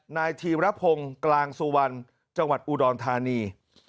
นายธีรพงศ์กลางสุวรรณจังหวัดอุดรธานี